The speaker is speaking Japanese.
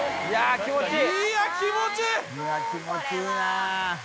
気持ちいい。